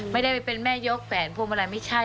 ไม่ได้ไปเป็นแม่ยกแฝนพวงมาลัยไม่ใช่